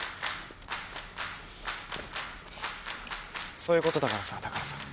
そういうことだからさ高原さん。